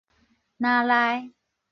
林內